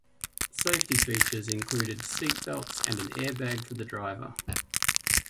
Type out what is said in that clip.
Safety features included seat belts and an airbag for the driver.